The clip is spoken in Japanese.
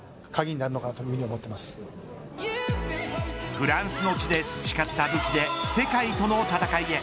フランスの地で培った武器で世界との戦いへ。